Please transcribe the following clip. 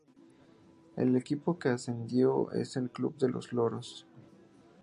El equipo que ascendió es el club Los Loros